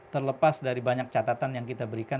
terlepas dari banyak catatan yang kita berikan